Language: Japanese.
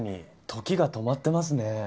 時が止まってますね。